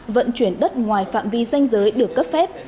vận chuyển đất ngoài phạm vi danh giới được cấp phép